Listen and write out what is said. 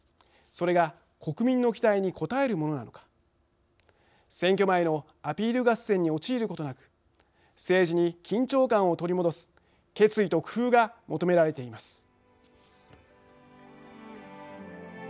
それが国民の期待に応えるものなのか選挙前のアピール合戦に陥ることなく政治に緊張感を取り戻す決意と工夫が求められています。